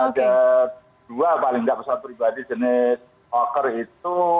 ada dua paling tidak pesawat pribadi jenis oker itu